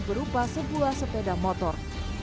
berupa sebuah sepeda motor